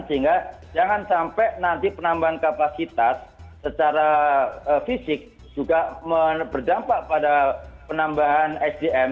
sehingga jangan sampai nanti penambahan kapasitas secara fisik juga berdampak pada penambahan sdm